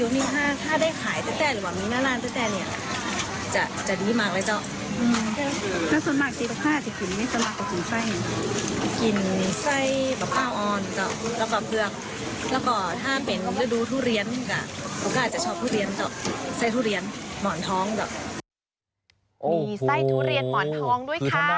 มีไส้ทุเรียนหมอนทองด้วยค่ะ